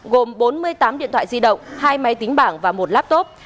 gồm bốn mươi tám điện thoại di động hai máy tính bảng và một laptop